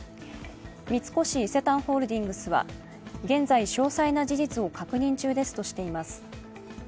三越伊勢丹ホールディングスは、現在、詳細な事実を確認中ですとしています。